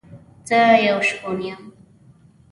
زه يو شپون يم